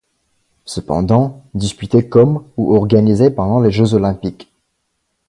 Cependant, disputé comme ou organisé pendant les Jeux olympiques.